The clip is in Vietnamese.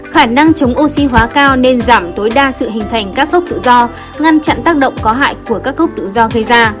khả năng chống oxy hóa cao nên giảm tối đa sự hình thành các gốc tự do ngăn chặn tác động có hại của các cốc tự do gây ra